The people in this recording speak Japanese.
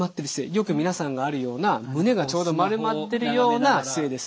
よく皆さんがあるような胸がちょうど丸まってるような姿勢です。